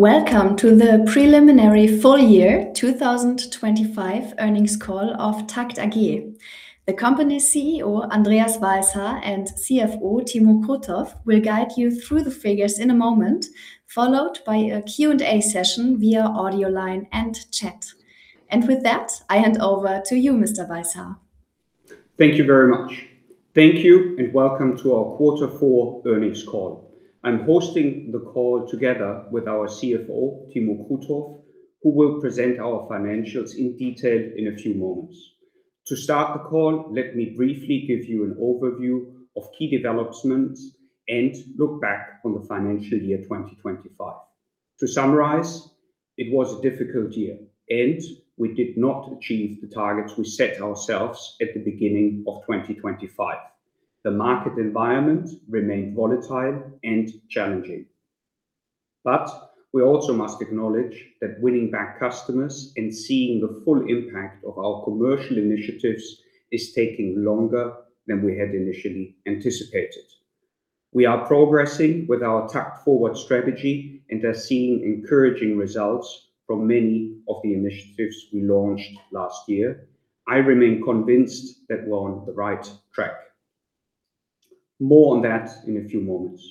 Welcome to the preliminary full year 2025 earnings call of TAKKT AG. The company's CEO, Andreas Weishaar, and CFO, Timo Krutoff, will guide you through the figures in a moment, followed by a Q&A session via audio line and chat. With that, I hand over to you, Mr. Weishaar. Thank you very much. Thank you. Welcome to our quarter four earnings call. I'm hosting the call together with our CFO, Timo Krutoff, who will present our financials in detail in a few moments. To start the call, let me briefly give you an overview of key developments and look back on the financial year 2025. To summarize, it was a difficult year. We did not achieve the targets we set ourselves at the beginning of 2025. The market environment remained volatile and challenging. We also must acknowledge that winning back customers and seeing the full impact of our commercial initiatives is taking longer than we had initially anticipated. We are progressing with our TAKKT Forward strategy. We are seeing encouraging results from many of the initiatives we launched last year. I remain convinced that we're on the right track. More on that in a few moments.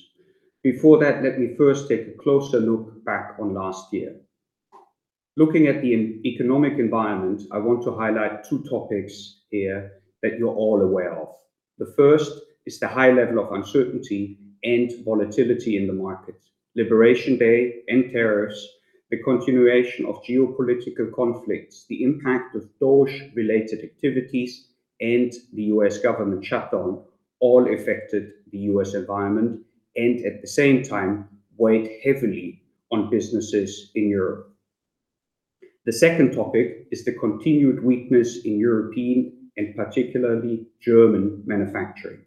Before that, let me first take a closer look back on last year. Looking at the economic environment, I want to highlight two topics here that you're all aware of. The first is the high level of uncertainty and volatility in the market. Liberation Day and tariffs, the continuation of geopolitical conflicts, the impact of DOGE-related activities, and the U.S. government shutdown all affected the U.S. environment and, at the same time, weighed heavily on businesses in Europe. The second topic is the continued weakness in European, and particularly German, manufacturing.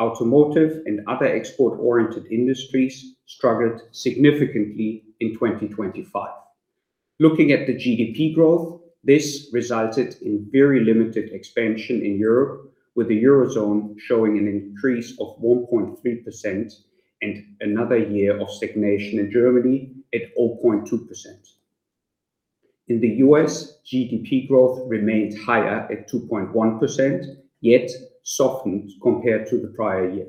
Automotive and other export-oriented industries struggled significantly in 2025. Looking at the GDP growth, this resulted in very limited expansion in Europe, with the Eurozone showing an increase of 1.3% and another year of stagnation in Germany at 0.2%. In the U.S., GDP growth remained higher at 2.1%, yet softened compared to the prior year.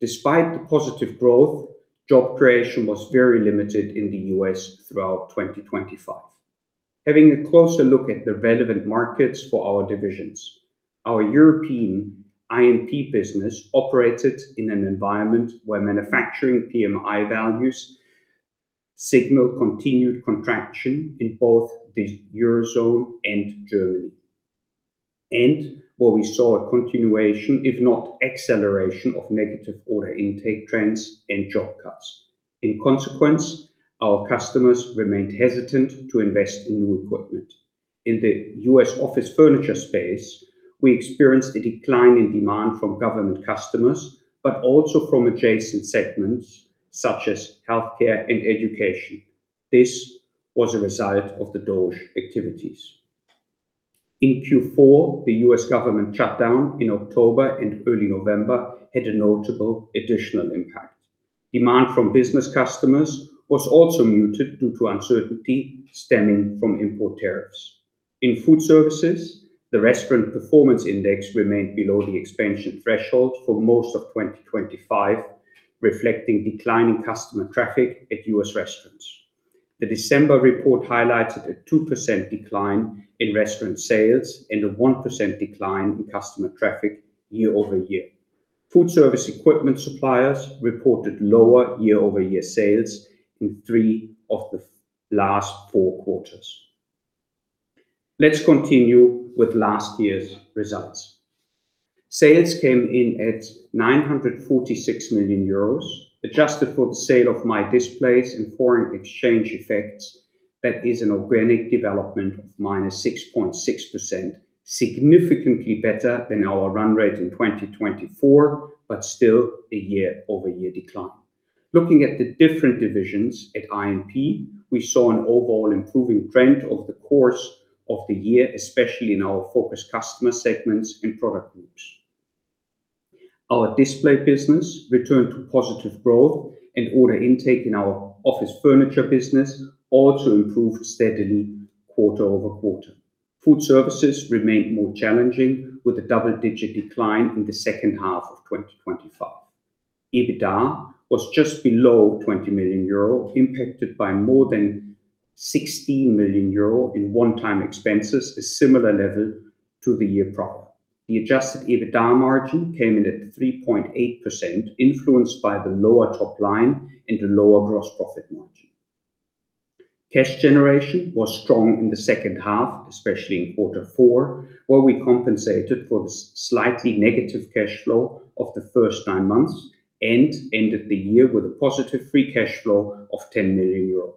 Despite the positive growth, job creation was very limited in the U.S. throughout 2025. Having a closer look at the relevant markets for our divisions, our European I&P business operated in an environment where manufacturing PMI values signaled continued contraction in both the Eurozone and Germany, and where we saw a continuation, if not acceleration, of negative order intake trends and job cuts. In consequence, our customers remained hesitant to invest in new equipment. In the U.S. office furniture space, we experienced a decline in demand from government customers, but also from adjacent segments such as healthcare and education. This was a result of the DOGE activities. In Q4, the U.S. government shutdown in October and early November had a notable additional impact. Demand from business customers was also muted due to uncertainty stemming from import tariffs. In Foodservices, the Restaurant Performance Index remained below the expansion threshold for most of 2025, reflecting declining customer traffic at US restaurants. The December report highlighted a 2% decline in restaurant sales and a 1% decline in customer traffic year-over-year. Food service equipment suppliers reported lower year-over-year sales in three of the last four quarters. Let's continue with last year's results. Sales came in at 946 million euros, adjusted for the sale of Mydisplays and foreign exchange effects. That is an organic development of -6.6%, significantly better than our run rate in 2024, but still a year-over-year decline. Looking at the different divisions at I&P, we saw an overall improving trend over the course of the year, especially in our focused customer segments and product groups. Our displays business returned to positive growth, and order intake in our office furniture business also improved steadily quarter-over-quarter. Foodservices remained more challenging, with a double-digit decline in the second half of 2025. EBITDA was just below 20 million euro, impacted by more than 16 million euro in one-time expenses, a similar level to the year prior. The adjusted EBITDA margin came in at 3.8%, influenced by the lower top line and the lower gross profit margin. Cash generation was strong in the second half, especially in quarter four, where we compensated for the slightly negative cash flow of the first nine months and ended the year with a positive free cash flow of 10 million euro.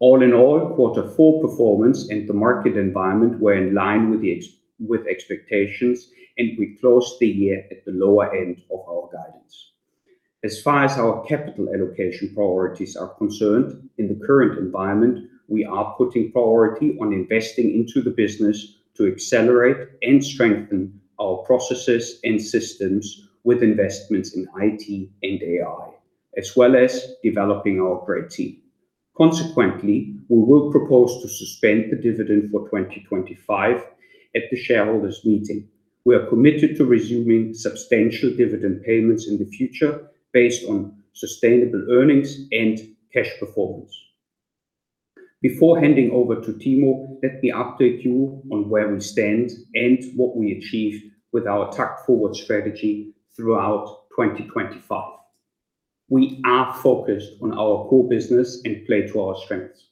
All in all, quarter four performance and the market environment were in line with expectations, and we closed the year at the lower end of our guidance. As far as our capital allocation priorities are concerned, in the current environment, we are putting priority on investing into the business to accelerate and strengthen our processes and systems with investments in IT and AI, as well as developing our great team. Consequently, we will propose to suspend the dividend for 2025 at the shareholders' meeting. We are committed to resuming substantial dividend payments in the future based on sustainable earnings and cash performance. Before handing over to Timo, let me update you on where we stand and what we achieved with our TAKKT Forward strategy throughout 2025. We are focused on our core business and play to our strengths.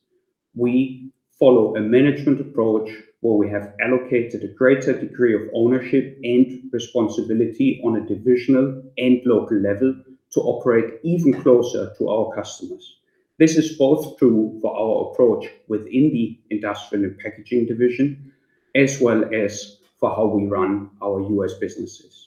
We follow a management approach where we have allocated a greater degree of ownership and responsibility on a divisional and local level to operate even closer to our customers. This is both true for our approach within the Industrial & Packaging division, as well as for how we run our U.S. businesses.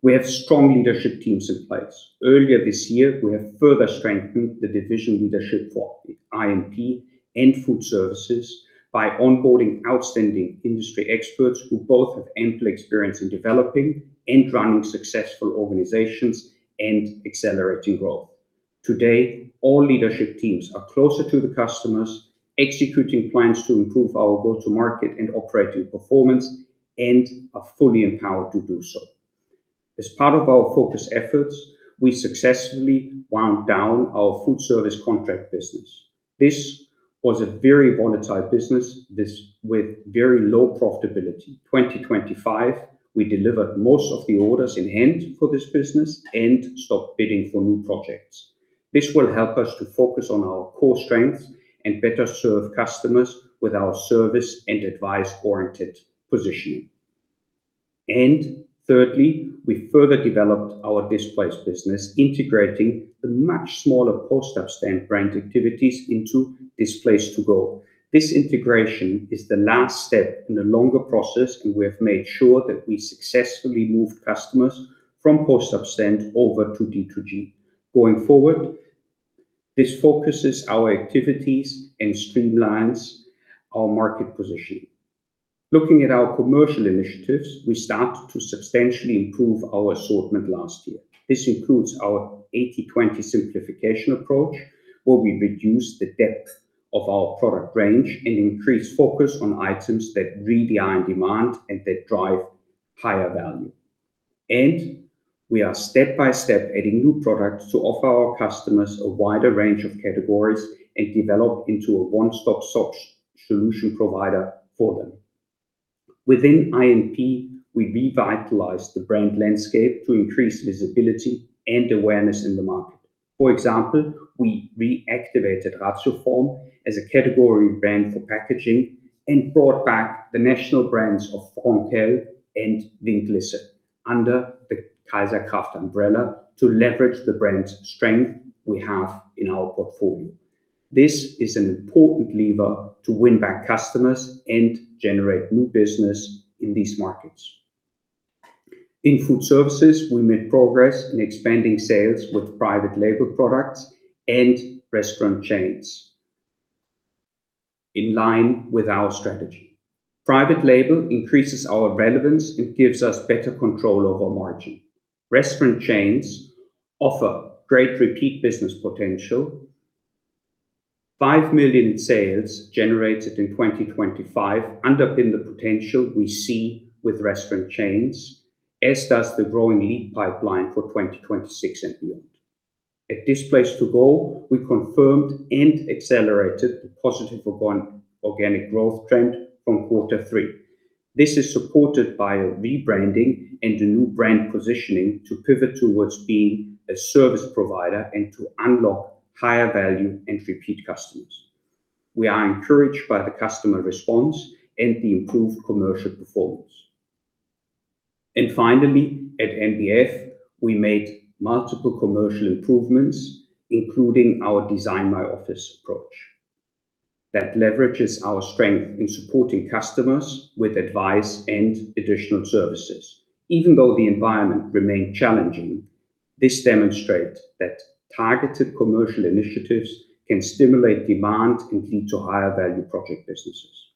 We have strong leadership teams in place. Earlier this year, we have further strengthened the division leadership for I&P and Foodservices by onboarding outstanding industry experts who both have ample experience in developing and running successful organizations and accelerating growth. Today, all leadership teams are closer to the customers, executing plans to improve our go-to-market and operating performance, and are fully empowered to do so. As part of our focus efforts, we successfully wound down our food service contract business. This was a very monetized business with very low profitability. 2025, we delivered most of the orders in hand for this business and stopped bidding for new projects. This will help us to focus on our core strengths and better serve customers with our service and advice-oriented positioning. Thirdly, we further developed our displays business, integrating the much smaller Post-Up Stand brand activities into Displays2Go. This integration is the last step in a longer process, and we have made sure that we successfully moved customers from Post-Up Stand over to D2G. Going forward, this focuses our activities and streamlines our market positioning. Looking at our commercial initiatives, we started to substantially improve our assortment last year. This includes our 80/20 simplification approach, where we reduce the depth of our product range and increase focus on items that really are in demand and that drive higher value. We are step by step adding new products to offer our customers a wider range of categories and develop into a one-stop solution provider for them. Within I&P, we revitalized the brand landscape to increase visibility and awareness in the market. For example, we reactivated Ratioform as a category brand for packaging and brought back the national brands of Fronteo and Winklisser under the Kaiser+Kraft umbrella to leverage the brand strength we have in our portfolio. This is an important lever to win back customers and generate new business in these markets. In Foodservices, we made progress in expanding sales with private label products and restaurant chains. In line with our strategy, private label increases our relevance and gives us better control over margin. Restaurant chains offer great repeat business potential. 5 million in sales generated in 2025 underpin the potential we see with restaurant chains, as does the growing lead pipeline for 2026 and beyond. At Displays2Go, we confirmed and accelerated the positive organic growth trend from quarter three. This is supported by a rebranding and a new brand positioning to pivot towards being a service provider and to unlock higher value and repeat customers. We are encouraged by the customer response and the improved commercial performance. Finally, at NBF, we made multiple commercial improvements, including our Design My Office approach, that leverages our strength in supporting customers with advice and additional services. Even though the environment remained challenging, this demonstrates that targeted commercial initiatives can stimulate demand and lead to higher value project businesses.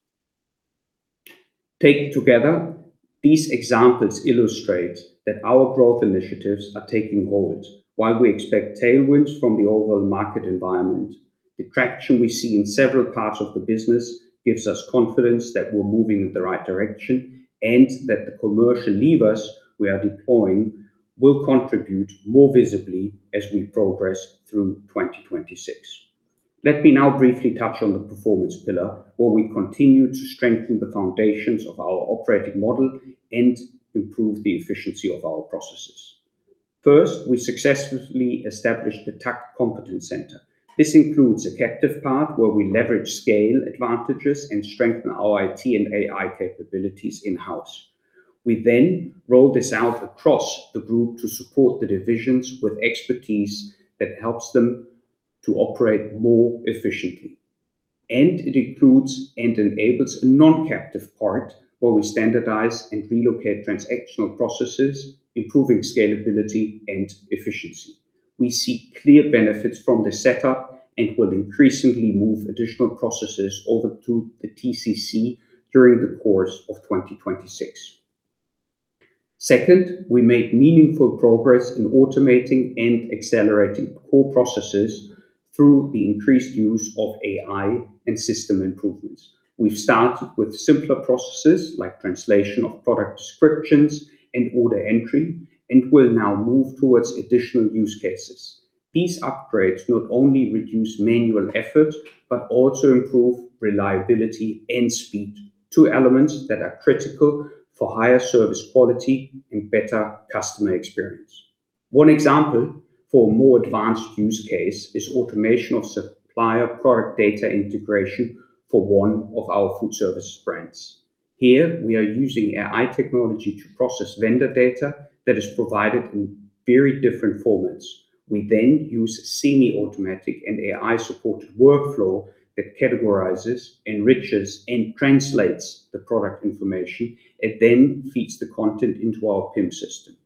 Taken together, these examples illustrate that our growth initiatives are taking hold, while we expect tailwinds from the overall market environment. The traction we see in several parts of the business gives us confidence that we're moving in the right direction, and that the commercial levers we are deploying will contribute more visibly as we progress through 2026. Let me now briefly touch on the performance pillar, where we continue to strengthen the foundations of our operating model and improve the efficiency of our processes. First, we successfully established the TAKKT Competence Center. This includes a captive part, where we leverage scale advantages and strengthen our IT and AI capabilities in-house. We then roll this out across the group to support the divisions with expertise that helps them to operate more efficiently. It includes and enables a non-captive part, where we standardize and relocate transactional processes, improving scalability and efficiency. We see clear benefits from this setup and will increasingly move additional processes over to the TCC during the course of 2026. Second, we made meaningful progress in automating and accelerating core processes through the increased use of AI and system improvements. We've started with simpler processes like translation of product descriptions and order entry, and will now move towards additional use cases. These upgrades not only reduce manual effort, but also improve reliability and speed, two elements that are critical for higher service quality and better customer experience. One example for a more advanced use case is automation of supplier product data integration for one of our food service brands. Here, we are using AI technology to process vendor data that is provided in very different formats. We then use semi-automatic and AI-supported workflow that categorizes, enriches, and translates the product information, and then feeds the content into our PIM system.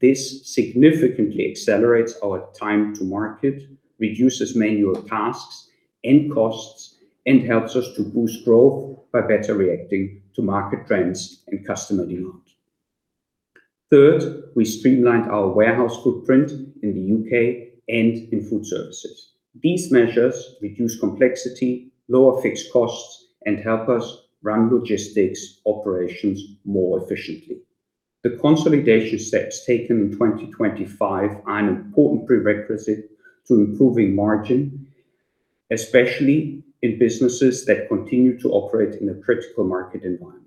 This significantly accelerates our time to market, reduces manual tasks and costs, and helps us to boost growth by better reacting to market trends and customer demand. Third, we streamlined our warehouse footprint in the U.K. and in food services. These measures reduce complexity, lower fixed costs, and help us run logistics operations more efficiently. The consolidation steps taken in 2025 are an important prerequisite to improving margin, especially in businesses that continue to operate in a critical market environment.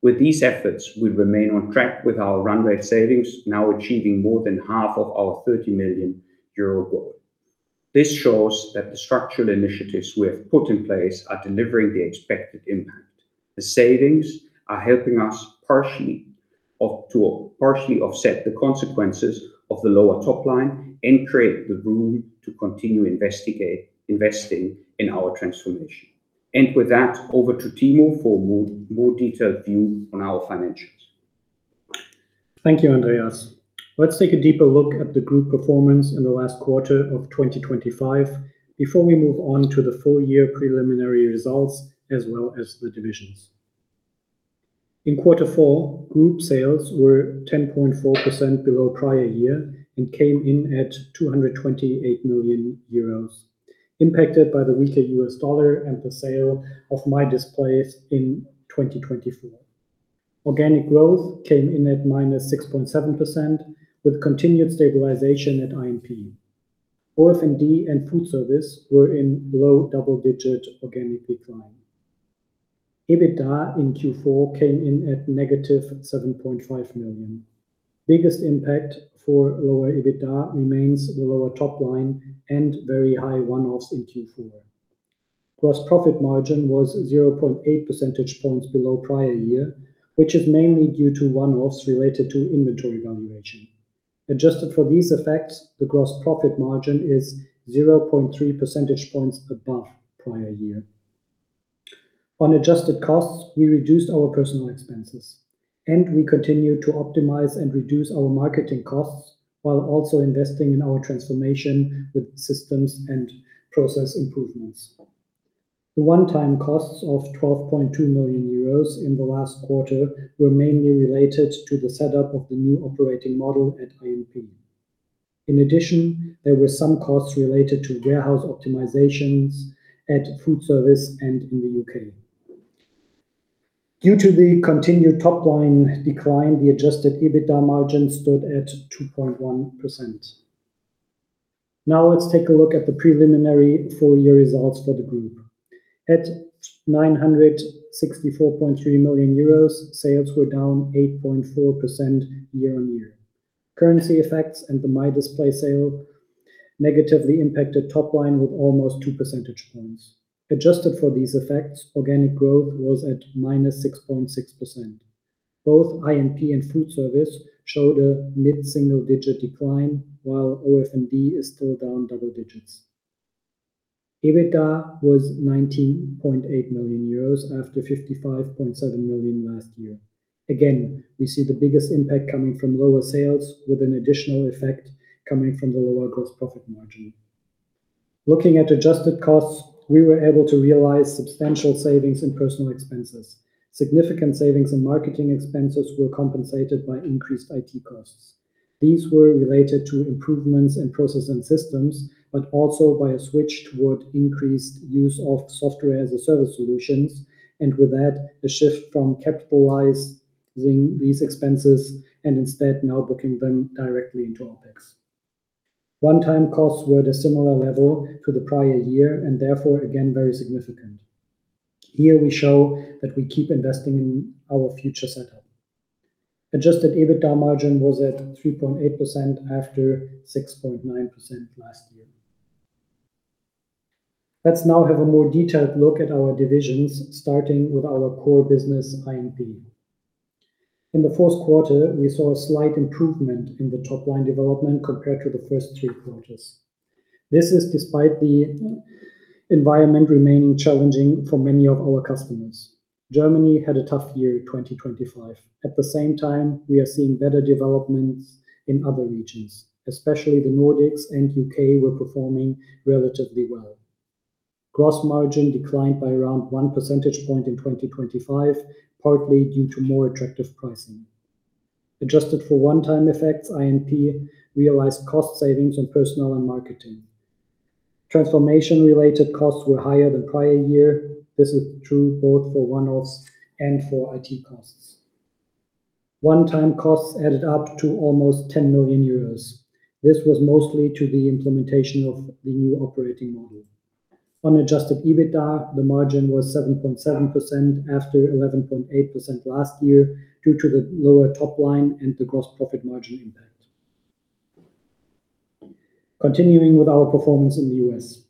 With these efforts, we remain on track with our run rate savings, now achieving more than half of the 30 million euro goal. This shows that the structural initiatives we have put in place are delivering the expected impact. The savings are helping us to partially offset the consequences of the lower top line and create the room to continue investing in our transformation. With that, over to Timo for a more detailed view on our financials. Thank you, Andreas. Let's take a deeper look at the group performance in the last quarter of 2025 before we move on to the full year preliminary results, as well as the divisions. In quarter four, group sales were 10.4% below prior year and came in at 228 million euros, impacted by the weaker US dollar and the sale of Mydisplays in 2024. Organic growth came in at -6.7%, with continued stabilization at INP. OF&D and Foodservices were in low double-digit organic decline. EBITDA in Q4 came in at -7.5 million. Biggest impact for lower EBITDA remains the lower top line and very high one-offs in Q4. Gross profit margin was 0.8 percentage points below prior year, which is mainly due to one-offs related to inventory valuation. Adjusted for these effects, the gross profit margin is 0.3 percentage points above prior year. On adjusted costs, we reduced our personal expenses. We continued to optimize and reduce our marketing costs while also investing in our transformation with systems and process improvements. The one-time costs of 12.2 million euros in the last quarter were mainly related to the setup of the new operating model at INP. In addition, there were some costs related to warehouse optimizations at Foodservices and in the U.K. Due to the continued top-line decline, the adjusted EBITDA margin stood at 2.1%. Let's take a look at the preliminary full-year results for the group. At 964.3 million euros, sales were down 8.4% year-on-year. Currency effects and the Mydisplays sale negatively impacted top line with almost 2 percentage points. Adjusted for these effects, organic growth was at -6.6%. Both I&P and Foodservices showed a mid-single-digit decline, while OF&D is still down double digits. EBITDA was 19.8 million euros after 55.7 million last year. Again, we see the biggest impact coming from lower sales, with an additional effect coming from the lower gross profit margin. Looking at adjusted costs, we were able to realize substantial savings in personnel expenses. Significant savings in marketing expenses were compensated by increased IT costs. These were related to improvements in process and systems, also by a switch toward increased use of Software as a Service solutions. With that, a shift from capitalizing these expenses and instead now booking them directly into OpEx. One-time costs were at a similar level to the prior year and therefore, again, very significant. Here we show that we keep investing in our future setup. Adjusted EBITDA margin was at 3.8% after 6.9% last year. Let's now have a more detailed look at our divisions, starting with our core business, INP. In the fourth quarter, we saw a slight improvement in the top-line development compared to the first three quarters. This is despite the environment remaining challenging for many of our customers. Germany had a tough year, 2025. At the same time, we are seeing better developments in other regions, especially the Nordics and UK were performing relatively well. Gross margin declined by around 1 percentage point in 2025, partly due to more attractive pricing. Adjusted for one-time effects, INP realized cost savings on personnel and marketing. Transformation-related costs were higher than prior year. This is true both for one-offs and for IT costs. One-time costs added up to almost 10 million euros. This was mostly to the implementation of the new operating model. Unadjusted EBITDA, the margin was 7.7% after 11.8% last year, due to the lower top line and the gross profit margin impact. Continuing with our performance in the U.S.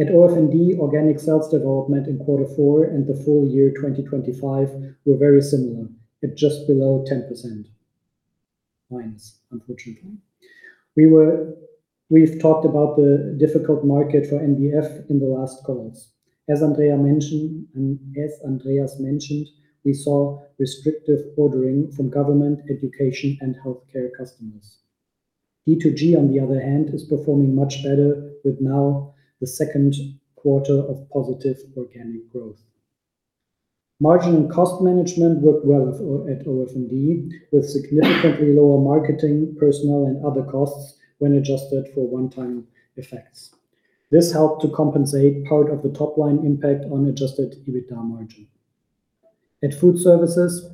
At OF&D, organic sales development in quarter four and the full year 2025 were very similar, at just below 10%-, unfortunately. We've talked about the difficult market for NBF in the last calls. As Andreas mentioned, and as Andreas mentioned, we saw restrictive ordering from government, education and healthcare customers. D2G, on the other hand, is performing much better, with now the second quarter of positive organic growth. Margin and cost management worked well with at OF&D, with significantly lower marketing, personnel, and other costs when adjusted for one-time effects. This helped to compensate part of the top line impact on adjusted EBITDA margin. At Foodservices,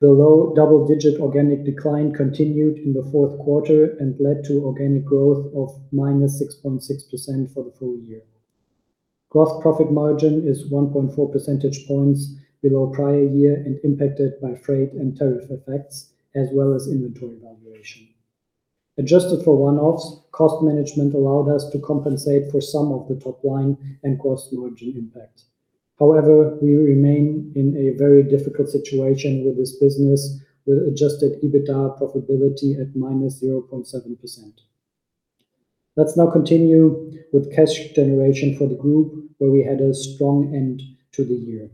the low double-digit organic decline continued in the fourth quarter and led to organic growth of -6.6% for the full year. Gross profit margin is 1.4 percentage points below prior year and impacted by freight and tariff effects, as well as inventory valuation. Adjusted for one-offs, cost management allowed us to compensate for some of the top line and gross margin impact. We remain in a very difficult situation with this business, with adjusted EBITDA profitability at -0.7%. Let's now continue with cash generation for the group, where we had a strong end to the year.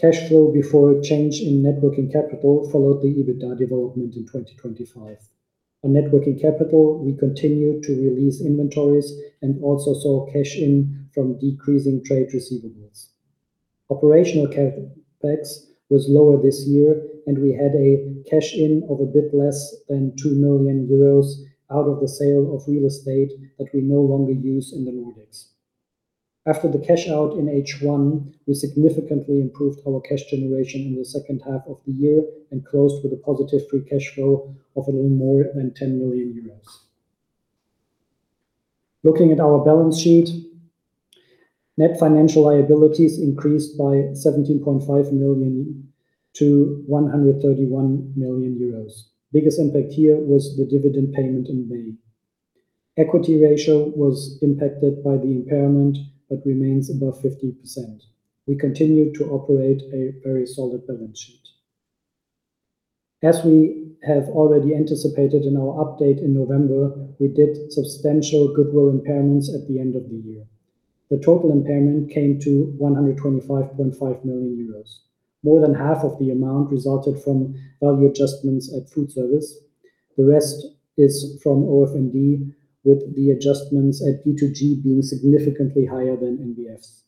Cash flow before change in net working capital followed the EBITDA development in 2025. On net working capital, we continued to release inventories and also saw cash in from decreasing trade receivables. Operational CapEx was lower this year, and we had a cash in of a bit less than 2 million euros out of the sale of real estate that we no longer use in the Nordics. After the cash out in H1, we significantly improved our cash generation in the second half of the year and closed with a positive free cash flow of a little more than 10 million euros. Looking at our balance sheet, net financial liabilities increased by 17.5 million to 131 million euros. Biggest impact here was the dividend payment in May. Equity ratio was impacted by the impairment, but remains above 50%. We continue to operate a very solid balance sheet. As we have already anticipated in our update in November, we did substantial goodwill impairments at the end of the year. The total impairment came to 125.5 million euros. More than half of the amount resulted from value adjustments at Foodservices. The rest is from OF&D, with the adjustments at D2G being significantly higher than NBF's.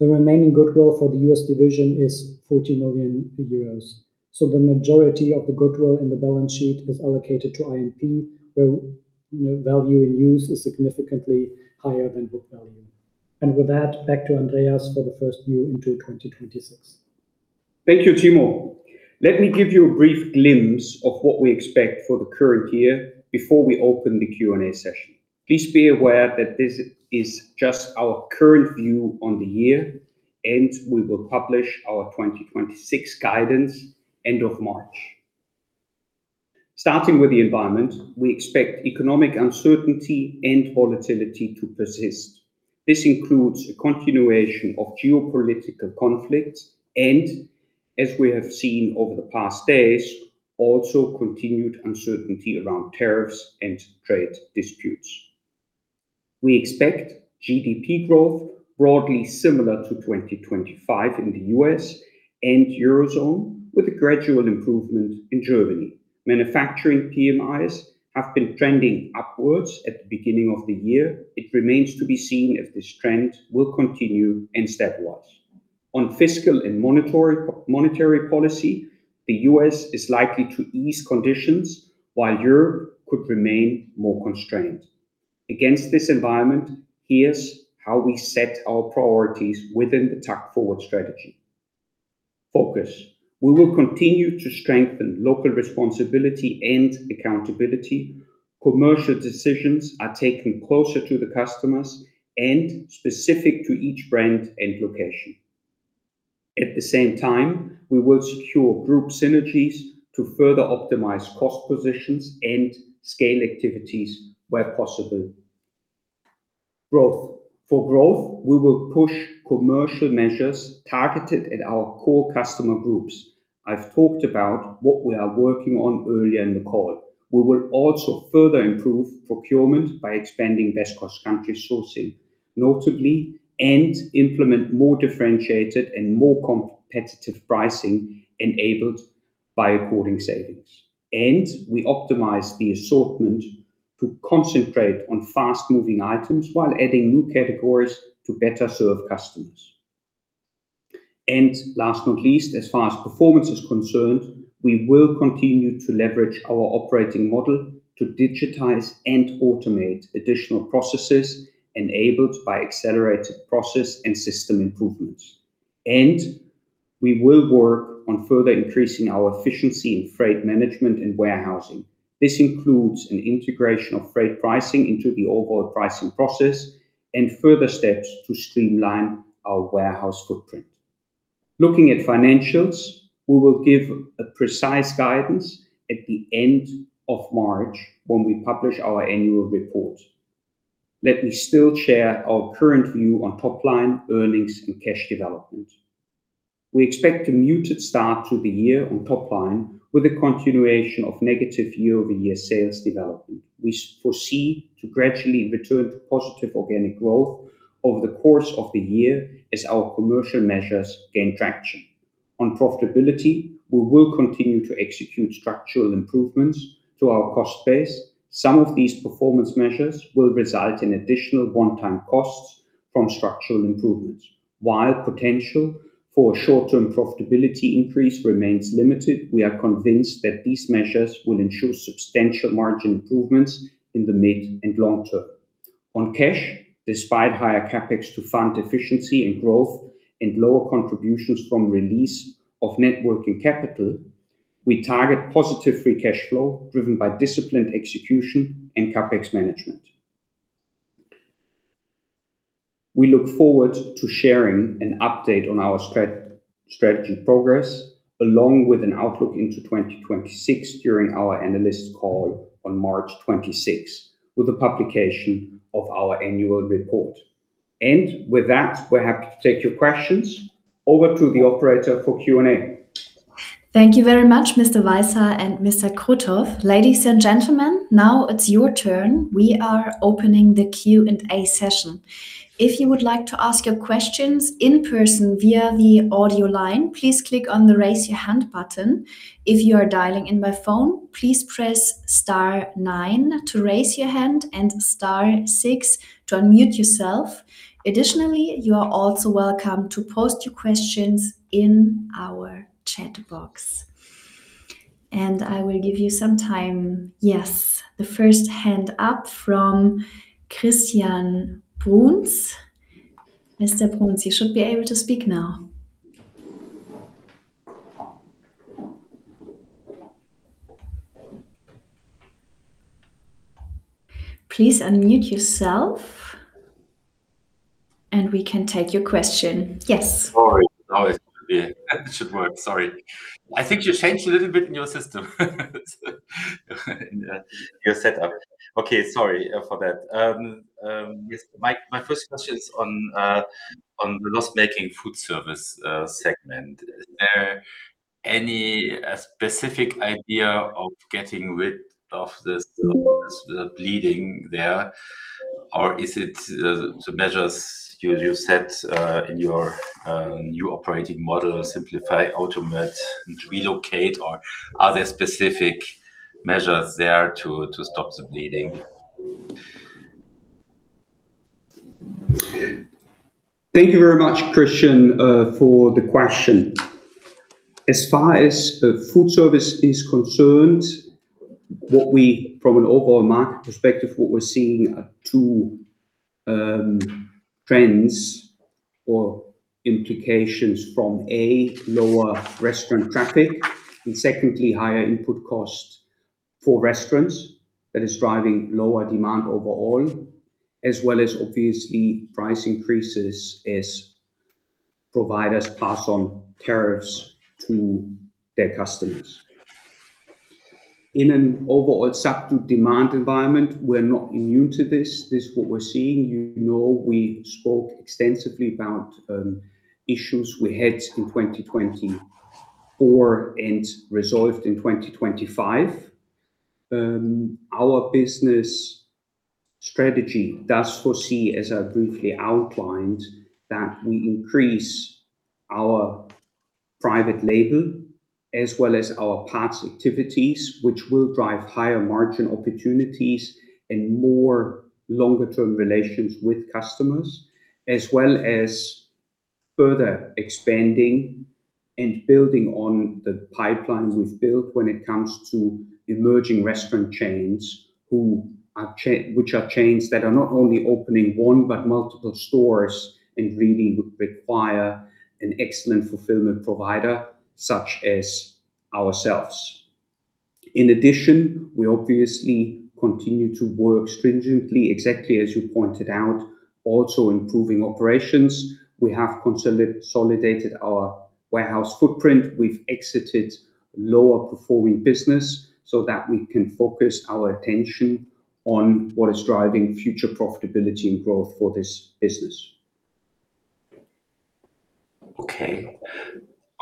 The remaining goodwill for the U.S. division is 40 million euros, so the majority of the goodwill in the balance sheet is allocated to INP, where, you know, value in use is significantly higher than book value. With that, back to Andreas for the first view into 2026. Thank you, Timo. Let me give you a brief glimpse of what we expect for the current year before we open the Q&A session. Please be aware that this is just our current view on the year. We will publish our 2026 guidance end of March. Starting with the environment, we expect economic uncertainty and volatility to persist. This includes a continuation of geopolitical conflicts and, as we have seen over the past days, also continued uncertainty around tariffs and trade disputes. We expect GDP growth broadly similar to 2025 in the U.S. and eurozone, with a gradual improvement in Germany. Manufacturing PMIs have been trending upwards at the beginning of the year. It remains to be seen if this trend will continue and stepwise. On fiscal and monetary policy, the U.S. is likely to ease conditions while Europe could remain more constrained. Against this environment, here's how we set our priorities within the TAKKT Forward strategy. Focus: We will continue to strengthen local responsibility and accountability. Commercial decisions are taken closer to the customers and specific to each brand and location. At the same time, we will secure group synergies to further optimize cost positions and scale activities where possible. Growth. For growth, we will push commercial measures targeted at our core customer groups. I've talked about what we are working on earlier in the call. We will also further improve procurement by expanding best cost country sourcing, notably, and implement more differentiated and more competitive pricing enabled by according savings, and we optimize the assortment to concentrate on fast-moving items while adding new categories to better serve customers. Last not least, as far as performance is concerned, we will continue to leverage our operating model to digitize and automate additional processes enabled by accelerated process and system improvements. We will work on further increasing our efficiency in freight management and warehousing. This includes an integration of freight pricing into the overall pricing process and further steps to streamline our warehouse footprint. Looking at financials, we will give a precise guidance at the end of March when we publish our annual report. Let me still share our current view on top line earnings and cash development. We expect a muted start to the year on top line, with a continuation of negative year-over-year sales development. We foresee to gradually return to positive organic growth over the course of the year as our commercial measures gain traction. On profitability, we will continue to execute structural improvements to our cost base. Some of these performance measures will result in additional one-time costs from structural improvements. While potential for short-term profitability increase remains limited, we are convinced that these measures will ensure substantial margin improvements in the mid and long term. On cash, despite higher CapEx to fund efficiency and growth and lower contributions from release of net working capital, we target positive free cash flow, driven by disciplined execution and CapEx management. We look forward to sharing an update on our strategy progress, along with an outlook into 2026 during our analyst call on March 26, with the publication of our annual report. With that, we're happy to take your questions. Over to the operator for Q&A. Thank you very much, Mr. Weishaar and Mr. Krutoff. Ladies and gentlemen, now it's your turn. We are opening the Q&A session. If you would like to ask your questions in person via the audio line, please click on the Raise Your Hand button. If you are dialing in by phone, please press star nine to raise your hand and star six to unmute yourself. Additionally, you are also welcome to post your questions in our chat box, and I will give you some time. The first hand up from Christian Bruns. Mr. Bruns, you should be able to speak now. Please unmute yourself, and we can take your question. Yes. Sorry. That should work. Sorry. I think you changed a little bit in your system, your setup. Okay, sorry for that. Yes, my first question is on the loss-making Foodservices segment. Is there any specific idea of getting rid of the bleeding there? Is it the measures you set in your new operating model, simplify, automate, and relocate, or are there specific measures there to stop the bleeding? Thank you very much, Christian, for the question. As far as Foodservices is concerned, From an overall market perspective, what we're seeing are two trends or implications from, A, lower restaurant traffic, and secondly, higher input costs for restaurants that is driving lower demand overall, as well as obviously price increases as providers pass on tariffs to their customers. In an overall subtle demand environment, we're not new to this. This is what we're seeing. You know, we spoke extensively about issues we had in 2024 and resolved in 2025. Our business strategy does foresee, as I briefly outlined, that we increase our private label as well as our parts activities, which will drive higher margin opportunities and more longer-term relations with customers, as well as further expanding and building on the pipelines we've built when it comes to emerging restaurant chains, which are chains that are not only opening one, but multiple stores, and really require an excellent fulfillment provider, such as ourselves. In addition, we obviously continue to work stringently, exactly as you pointed out, also improving operations. We have consolidated our warehouse footprint. We've exited lower-performing business so that we can focus our attention on what is driving future profitability and growth for this business. Okay.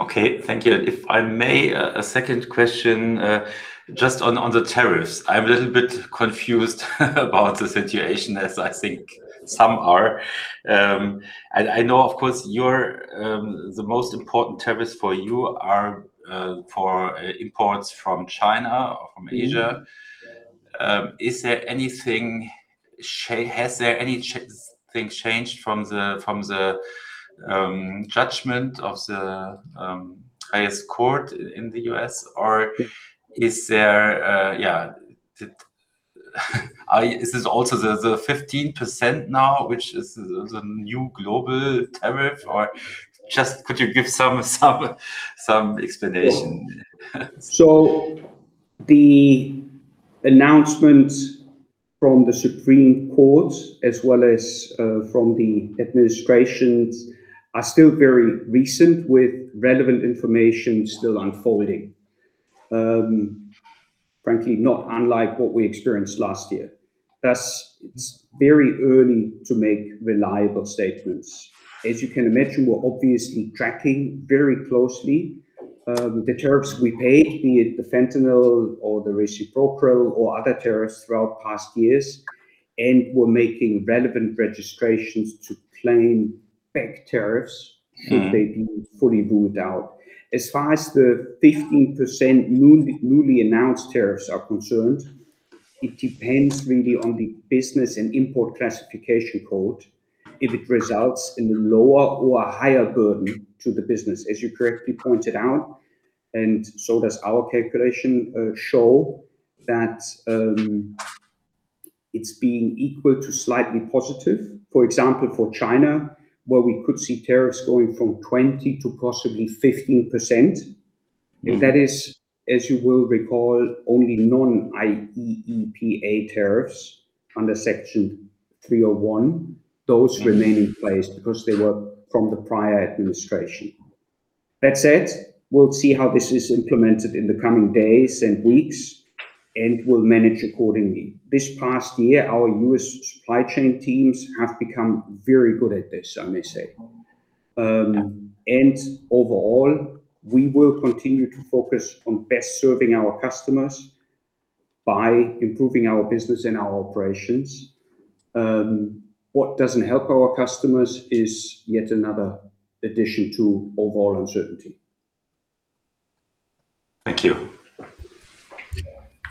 Okay, thank you. If I may, a second question, just on the tariffs. I'm a little bit confused about the situation, as I think some are. I know, of course, your, the most important tariffs for you are, for imports from China or from Asia. Is there anything things changed from the judgment of the highest court in the U.S., or is there, yeah, are, is this also the 15% now, which is the new global tariff? Or just could you give some explanation? The announcement from the Supreme Court, as well as, from the administrations, are still very recent, with relevant information still unfolding. Frankly, not unlike what we experienced last year. It's very early to make reliable statements. You can imagine, we're obviously tracking very closely, the tariffs we paid, be it the fentanyl or the reciprocal or other tariffs throughout past years, and we're making relevant registrations to claim back tariffs. Mm. Should they be fully ruled out. As far as the 15% newly announced tariffs are concerned, it depends really on the business and import classification code, if it results in a lower or a higher burden to the business, as you correctly pointed out, and so does our calculation show that it's been equal to slightly positive. For example, for China, where we could see tariffs going from 20% to possibly 15%, and that is, as you will recall, only non-IEEPA tariffs under Section 301. Mm. Those remain in place because they were from the prior administration. That said, we'll see how this is implemented in the coming days and weeks, and we'll manage accordingly. This past year, our U.S. supply chain teams have become very good at this, I may say. Overall, we will continue to focus on best serving our customers by improving our business and our operations. What doesn't help our customers is yet another addition to overall uncertainty. Thank you.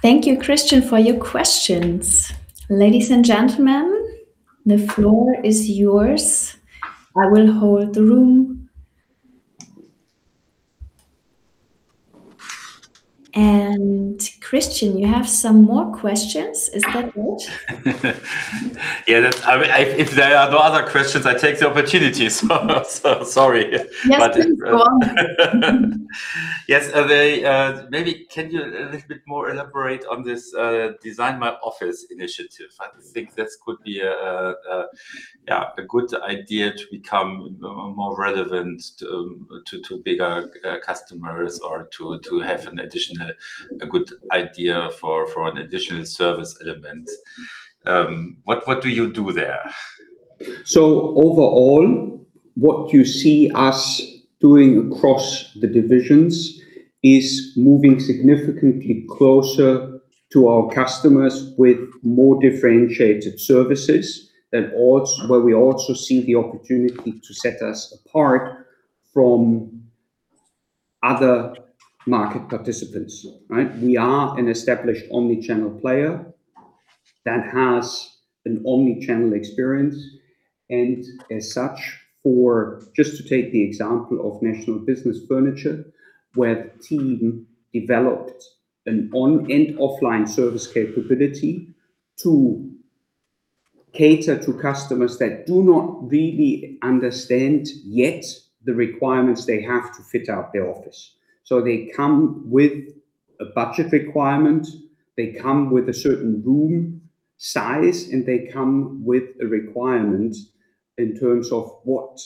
Thank you, Christian, for your questions. Ladies and gentlemen, the floor is yours. I will hold the room. Christian, you have some more questions. Is that right? If there are no other questions, I take the opportunity, so sorry. Yes, please, go on. Yes, maybe can you a little bit more elaborate on this, Design My Office initiative? I think this could be a, yeah, a good idea to become more relevant to bigger customers or to have an additional, a good idea for an additional service element. What do you do there? Overall, what you see us doing across the divisions is moving significantly closer to our customers with more differentiated services, where we also see the opportunity to set us apart from other market participants, right? We are an established omni-channel player that has an omni-channel experience, and as such, just to take the example of National Business Furniture, where the team developed an on and offline service capability to cater to customers that do not really understand yet the requirements they have to fit out their office. They come with a budget requirement, they come with a certain room size, and they come with a requirement in terms of what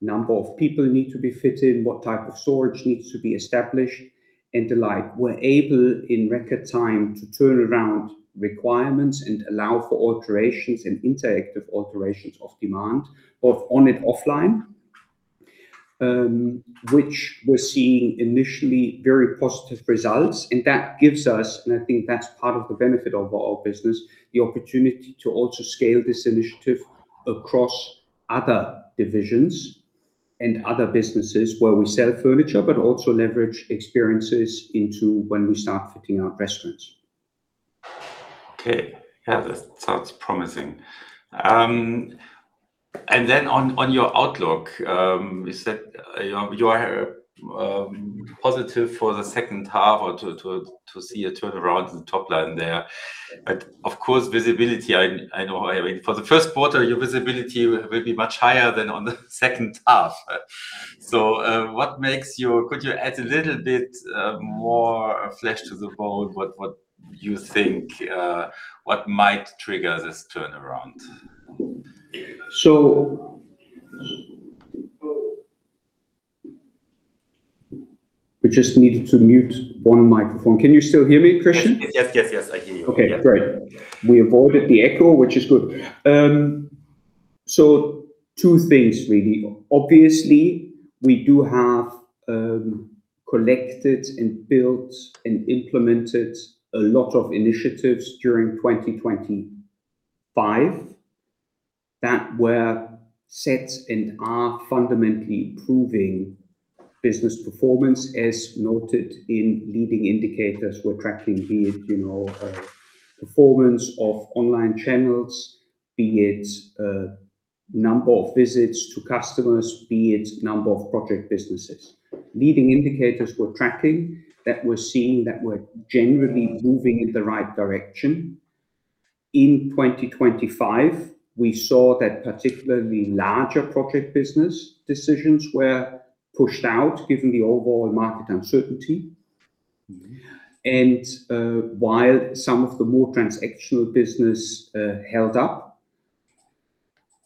number of people need to be fitted, what type of storage needs to be established, and the like. We're able, in record time, to turn around requirements and allow for alterations and interactive alterations of demand, both on and offline, which we're seeing initially very positive results. That gives us, and I think that's part of the benefit of our business, the opportunity to also scale this initiative across other divisions and other businesses where we sell furniture, but also leverage experiences into when we start fitting out restaurants. Okay. Yeah, that sounds promising. On your outlook, you said, you are positive for the second half or to see a turnaround in the top line there. Of course, visibility, I know, I mean, for the first quarter, your visibility will be much higher than on the second half. Could you add a little bit, more flesh to the bone what you think, what might trigger this turnaround? We just needed to mute one microphone. Can you still hear me, Christian? Yes. Yes, yes, I can hear you. Okay, great. Yeah. We avoided the echo, which is good. Two things, really. Obviously, we do have collected and built and implemented a lot of initiatives during 2025 that were set and are fundamentally improving business performance, as noted in leading indicators we're tracking, be it, you know, performance of online channels, be it number of visits to customers, be it number of project businesses. Leading indicators we're tracking that we're seeing that we're generally moving in the right direction. In 2025, we saw that particularly larger project business decisions were pushed out, given the overall market uncertainty. While some of the more transactional business held up,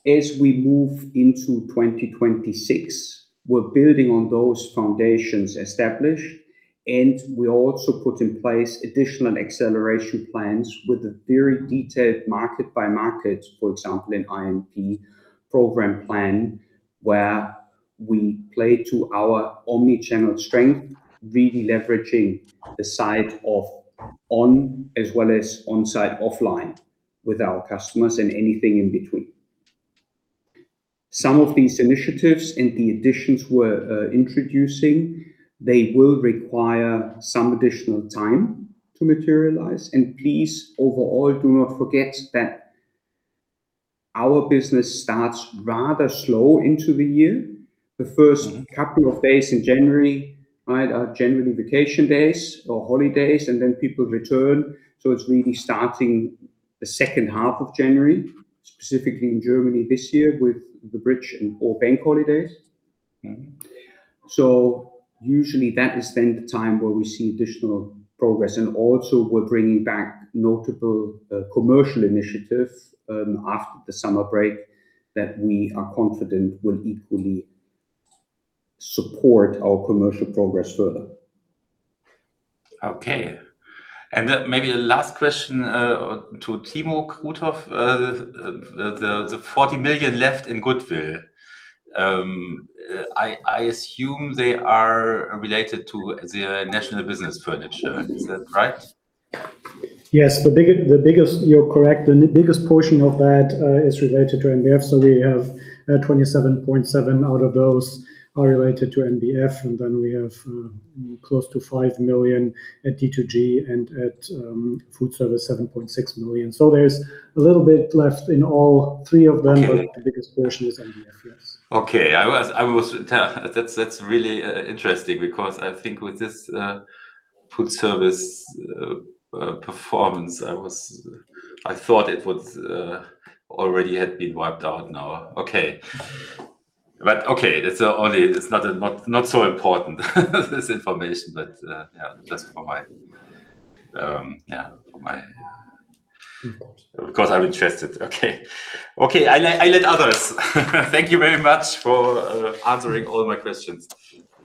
as we move into 2026, we're building on those foundations established, and we also put in place additional acceleration plans with a very detailed market-by-market, for example, in I&P program plan, where we play to our omni-channel strength, really leveraging the side of on as well as on-site, offline with our customers and anything in between. Some of these initiatives and the additions we're introducing, they will require some additional time to materialize. Please, overall, do not forget that our business starts rather slow into the year. The first couple of days in January, right, are generally vacation days or holidays, and then people return, so it's really starting the second half of January, specifically in Germany this year, with the bridge and all bank holidays. Mm-hmm. Usually, that is then the time where we see additional progress, and also we're bringing back notable, commercial initiatives, after the summer break, that we are confident will equally support our commercial progress further. Okay. Maybe the last question to Timo Krutoff, the 40 million left in goodwill. I assume they are related to the National Business Furniture. Is that right? Yes, You're correct. The biggest portion of that is related to NBF. We have 27.7 million out of those are related to NBF, and then we have close to 5 million at D2G, and at Foodservices, 7.6 million. There's a little bit left in all three of them. Okay. The biggest portion is NBF, yes. Okay. I was. That's really interesting, because I think with this Foodservices performance, I thought it was already had been wiped out now. Okay. Okay, it's only, it's not so important, this information, but, yeah, just for my. 'Cause I'm interested. Okay, I let others. Thank you very much for answering all my questions.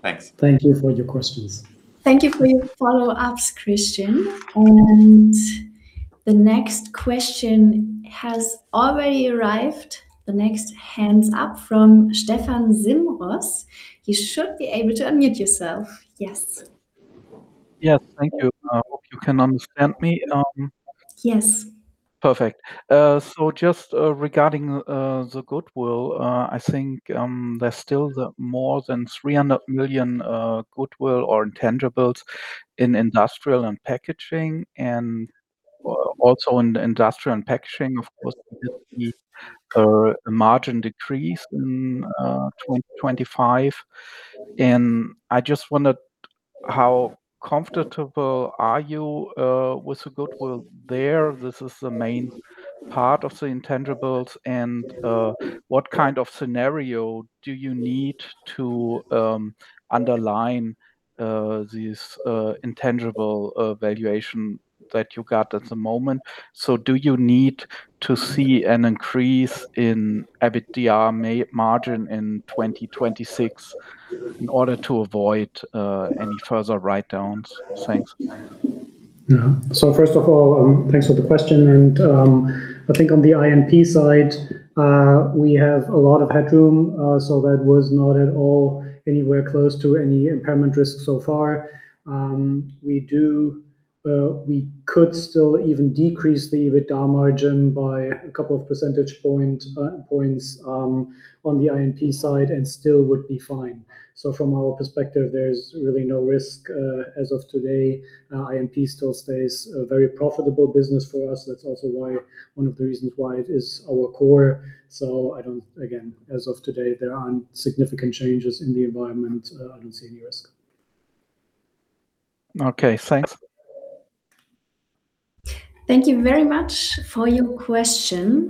Thanks. Thank you for your questions. Thank you for your follow-ups, Christian. The next question has already arrived, the next hands up from Stefan Zimros. You should be able to unmute yourself. Yes. Yes. Thank you. I hope you can understand me. Yes. Perfect. Just regarding the goodwill, I think, there's still the more than 300 million goodwill or intangibles in Industrial & Packaging, and also in the Industrial & Packaging, of course, the margin decreased in 2025, and I just wondered how comfortable are you with the goodwill there? This is the main part of the intangibles, what kind of scenario do you need to underline this intangible valuation that you got at the moment? Do you need to see an increase in EBITDA margin in 2026 in order to avoid any further write downs? Thanks. Yeah. First of all, thanks for the question. I think on the INP side, we have a lot of headroom, so that was not at all anywhere close to any impairment risk so far. We could still even decrease the EBITDA margin by a couple of percentage points on the INP side and still would be fine. From our perspective, there's really no risk as of today. INP still stays a very profitable business for us. That's also why, one of the reasons why it is our core. Again, as of today, there aren't significant changes in the environment. I don't see any risk. Okay. Thanks. Thank you very much for your question.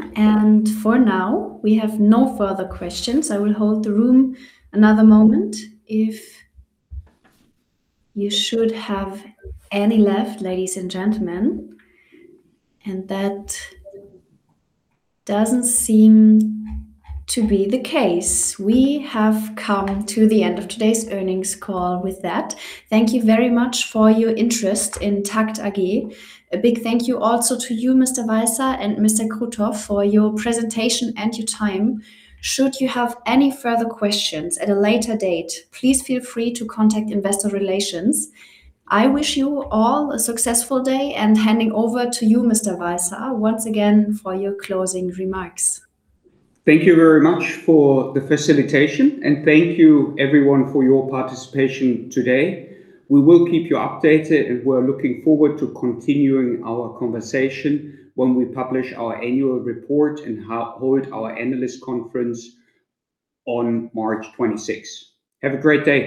For now, we have no further questions. I will hold the room another moment if you should have any left, ladies and gentlemen. That doesn't seem to be the case. We have come to the end of today's earnings call with that. Thank you very much for your interest in TAKKT AG. A big thank you also to you, Mr. Weishaar and Mr. Krutoff, for your presentation and your time. Should you have any further questions at a later date, please feel free to contact investor relations. I wish you all a successful day. Handing over to you, Mr. Weishaar, once again, for your closing remarks. Thank you very much for the facilitation, and thank you everyone for your participation today. We will keep you updated, and we're looking forward to continuing our conversation when we publish our annual report and hold our analyst conference on March 26th. Have a great day.